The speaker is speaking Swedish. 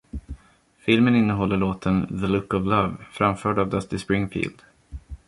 Filmen innehåller låten ”The Look of Love” framförd av Dusty Springfield.